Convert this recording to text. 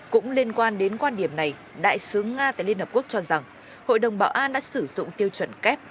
cũng liên quan đến quan điểm này đại sứ nga tại liên hợp quốc cho rằng hội đồng bảo an đã sử dụng tiêu chuẩn kép